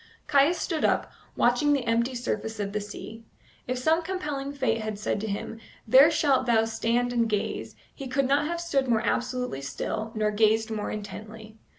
Caius stood up, watching the empty surface of the sea. If some compelling fate had said to him, "There shalt thou stand and gaze," he could not have stood more absolutely still, nor gazed more intently.